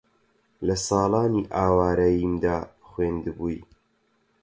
لە ساڵانی ئاوارەییمدا خوێندبووی